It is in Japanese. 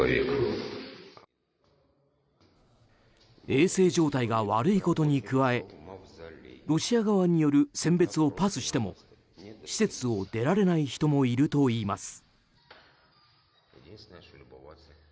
衛生状態が悪いことに加えロシア側による選別をパスしても施設を出られない人もいるといいます。